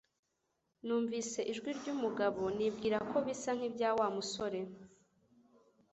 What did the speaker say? Numvise ijwi ryumugabo nibwira ko bisa nkibya Wa musore